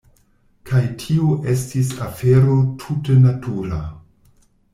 Kaj tio estis afero tute natura.